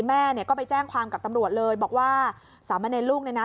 แม่เนี่ยก็ไปแจ้งความกับตำรวจเลยบอกว่าสามเณรลูกเนี่ยนะ